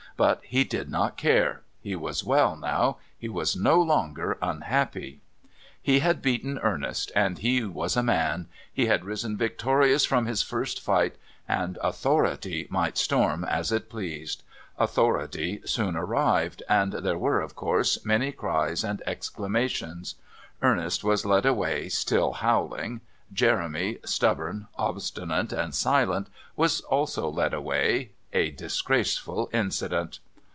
But he did not care; he was well now; he was no longer unhappy. He had beaten Ernest and he was a man; he had risen victorious from his first fight, and Authority might storm as it pleased. Authority soon arrived, and there were, of course, many cries and exclamations. Ernest was led away still howling; Jeremy, stubborn, obstinate, and silent, was also led away.... A disgraceful incident.